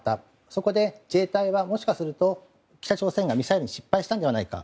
そこで自衛隊はもしかすると北朝鮮がミサイルを失敗したのではないか。